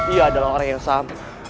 iya adalah orang yang sama